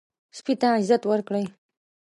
سپي ته عزت ورکړئ.